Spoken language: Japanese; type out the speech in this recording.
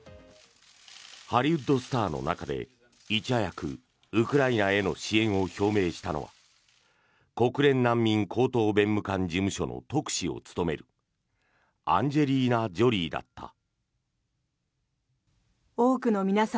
ハリウッドスターの中でいち早くウクライナへの支援を表明したのは国連難民高等弁務官事務所の特使を務めるアンジェリーナ・ジョリーだった。